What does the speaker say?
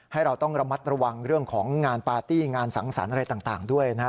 ให้เราต้องระมัดระวังเรื่องของงานปาร์ตี้งานสังสรรค์อะไรต่างด้วยนะฮะ